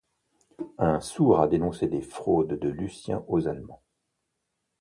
Un sourd a dénoncé des fraudes de Lucien aux allemands.